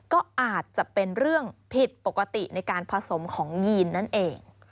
ก็อาจจะเป็นเรื่องผิดปกติในการผสมของยีนนั่นเอง